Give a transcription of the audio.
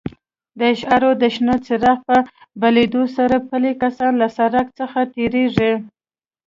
د اشارو د شنه څراغ په بلېدو سره پلي کسان له سړک څخه تېرېږي.